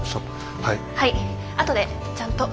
はい。